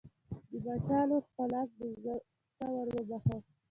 د باچا لور خپل آس بزګر ته وروبخښه.